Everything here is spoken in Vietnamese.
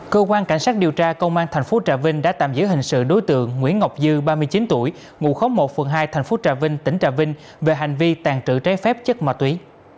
cơ quan cảnh sát điều tra công an thành phố trà vinh đã tạm giữ hình sự đối tượng nguyễn ngọc dư ba mươi chín tuổi ngụ khóm một phường hai thành phố trà vinh tỉnh trà vinh về hành vi tàn trự trái phép chất ma túy